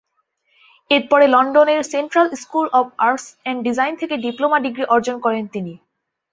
এরপরে লন্ডনের central school of arts and design থেকে ডিপ্লোমা ডিগ্রী অর্জন করেন তিনি।